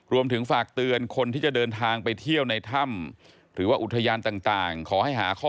รวมถึงฝากเตือนคนที่จะเดินทางไปเที่ยวในท่ำ